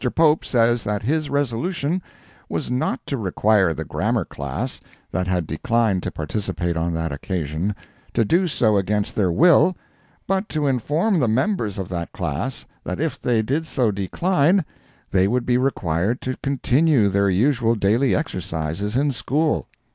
Pope says that his resolution was not to require the Grammar class, that had declined to participate on that occasion, to do so against their will, but to inform the members of that class that if they did so decline, they would be required to continue their usual daily exercises in School.